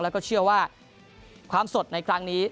แล้วก็เชื่อว่าความสดในครั้งนี้